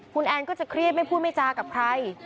คุณแอนก็จะเครียดไม่พูดไม่จากับใคร